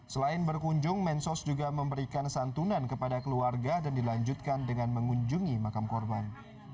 selain berkunjung mensos juga memberikan santunan kepada keluarga dan dilanjutkan dengan mengunjungi makam korban